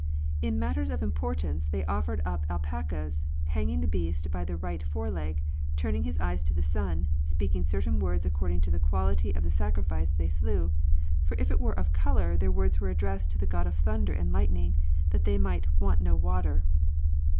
" In matters of importance they offered up alpacas, hanging the beast by the right fore leg, turning his eyes to the sun, speaking certain words according to the quality of the sacrifice they slew ; for if it were of color their words were addressed to the god of thunder and lightning, that they might want no water" (page 341).